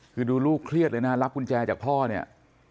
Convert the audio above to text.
คือดูลูกเครียดเลยนะรับกุญแจจากพ่อเนี่ย